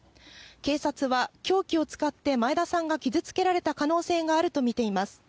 警察は、凶器を使って前田さんが傷つけられた可能性があると見ています。